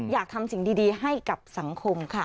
อยากทำสิ่งดีให้กับสังคมค่ะ